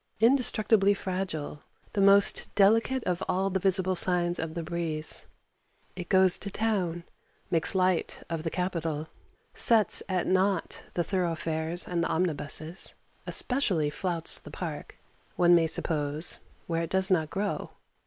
Indestructibly fragile, the most delicate of all the visible signs of the breeze, it goes to town, makes light of the capital, sets at nought the thoroughfares and the omnibuses, especially flouts the Park, one may suppose, where it does not grow.